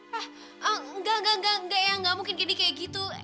hah enggak enggak enggak ya enggak mungkin kenny kayak gitu